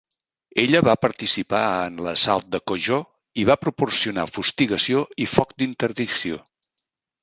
Ella va participar en l'assalt de Kojo i va proporcionar fustigació i foc d'interdicció.